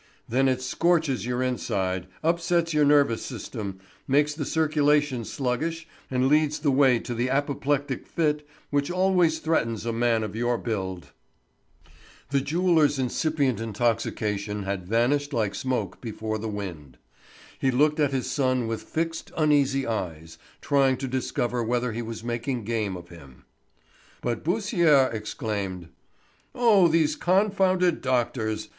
"Then it scorches your inside, upsets your nervous system, makes the circulation sluggish, and leads the way to the apoplectic fit which always threatens a man of your build." The jeweller's incipient intoxication had vanished like smoke before the wind. He looked at his son with fixed, uneasy eyes, trying to discover whether he was making game of him. But Beausire exclaimed: "Oh, these confounded doctors!